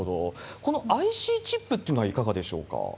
このＩＣチップというのはいかがでしょうか？